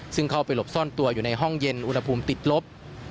ซึ่งเข้าไปหลบซ่อนตัวอยู่ในห้องเย็นอุณหภูมิติดลบ